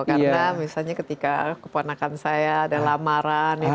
karena misalnya ketika keponakan saya ada lamaran